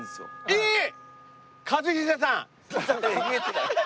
えっ！？